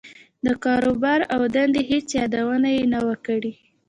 د کاروبار او دندې هېڅ يادونه يې نه وه کړې.